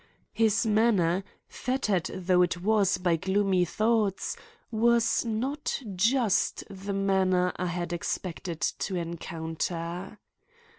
His manner, fettered though it was by gloomy thoughts, was not just the manner I had expected to encounter.